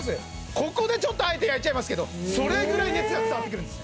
ここでちょっとあえて焼いちゃいますけどそれぐらい熱が伝わってくるんです